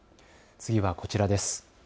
次はこちらです。